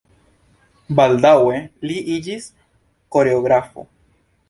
Baldaŭe li iĝis koreografo.